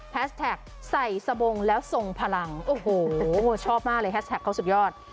แท็กใส่สบงแล้วทรงพลังโอ้โหชอบมากเลยแฮชแท็กเขาสุดยอด